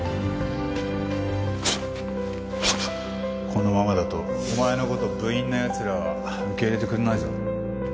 このままだとお前の事部員の奴らは受け入れてくれないぞ。